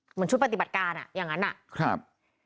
เหมือนชุดปฏิบัติการอ่ะอย่างนั้นอ่ะครับ